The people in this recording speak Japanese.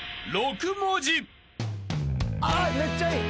あっめっちゃいい！